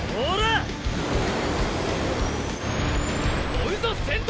追うぞ先頭！